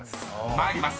［参ります。